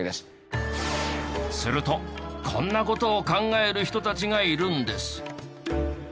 するとこんな事を考える人たちがいるんです。